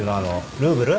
ルーブル？